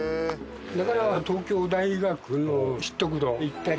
だから東京大学の七徳堂いったり。